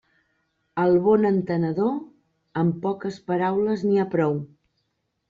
Al bon entenedor, amb poques paraules n'hi ha prou.